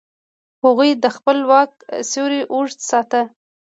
هغوی د خپل واک سیوری اوږده ساته.